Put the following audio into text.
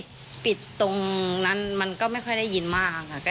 แต่ผิดตรงมันโรงการนั้นก็ไม่ค่อยได้ยินมาก